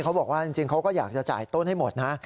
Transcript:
เขาบอกว่าจริงเขาก็อยากจะจ่ายต้นให้หมดนะ